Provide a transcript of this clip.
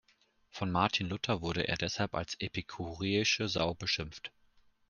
Von Martin Luther wurde er deshalb als „epikureische Sau“ beschimpft.